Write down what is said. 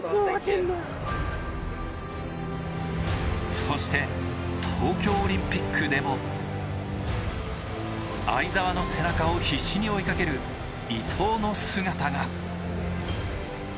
そして東京オリンピックでも相澤の背中を必死に追いかける伊藤の姿が。